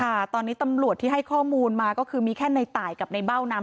ค่ะตอนนี้ตำรวจที่ให้ข้อมูลมาก็คือมีแค่ในตายกับในเบ้านาม